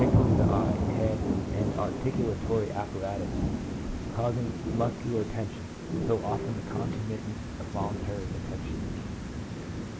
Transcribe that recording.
IOI larly of the eyes, head, and articulatory apparatus, causing muscular tension, 1 so often the concomitant of voluntary attention.